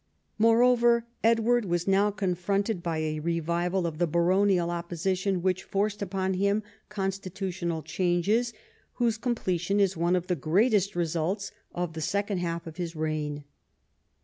Moreover, Edward was now confronted by a revival of the baronial opposition, which forced upon him constitutional changes, whose com pletion is one of the greatest results of the second half of his reign.